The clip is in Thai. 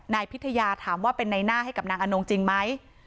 นายพิทยาถามว่าเป็นในหน้าให้กับนางอนงจริงไหม